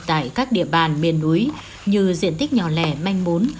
tại các địa bàn miền núi như diện tích nhỏ lẻ manh mốn